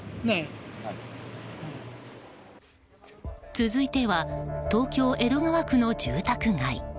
続いては東京・江戸川区の住宅街。